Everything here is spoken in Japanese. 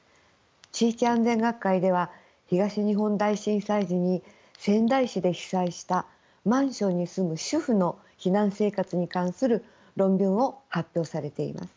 地域安全学会では東日本大震災時に仙台市で被災したマンションに住む主婦の避難生活に関する論文を発表されています。